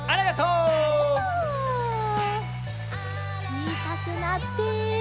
ちいさくなって。